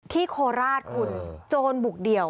ที่โคลาสคุณโจญบุกเดี่ยว